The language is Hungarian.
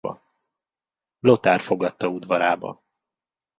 Lothár fogadta udvarába.